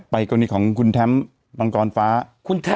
แผลควริของคุณแถมบางกรฟ้า